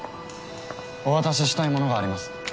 お渡ししたいものがあります。